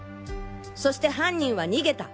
そして犯人は逃げた。